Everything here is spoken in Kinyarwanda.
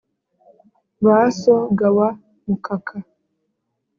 ba so ga wa mukaka